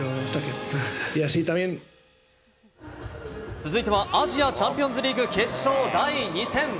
続いてはアジアチャンピオンズリーグ決勝第２戦。